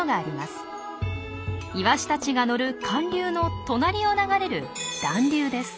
イワシたちが乗る寒流の隣を流れる暖流です。